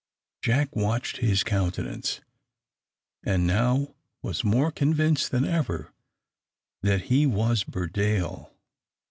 Jack watched his countenance, and now was more convinced than ever that he was Burdale.